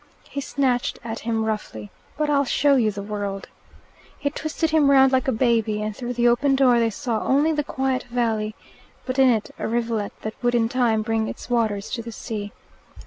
He snatched at him roughly. "But I'll show you the world." He twisted him round like a baby, and through the open door they saw only the quiet valley, but in it a rivulet that would in time bring its waters to the sea.